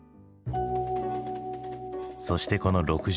そしてこの６８年。